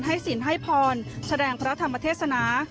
ให้สินให้พรแสดงพระธรรมเทศหนา